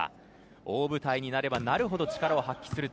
大舞台になれば、なるほど力を発揮すると